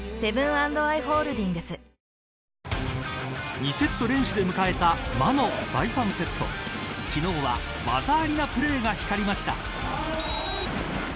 ２セット連取で迎えた魔の第３セット昨日は技ありなプレーが光りました。